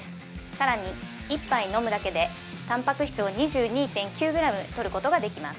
更に１杯飲むだけでたんぱく質を２２．９ｇとることができます